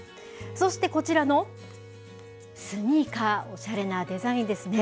そして、こちらのスニーカー、おしゃれなデザインですね。